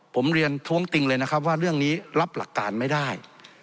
ผมเรียนท้วงติงเลยนะครับว่าเรื่องนี้รับหลักการไม่ได้